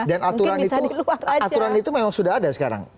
dan aturan itu memang sudah ada sekarang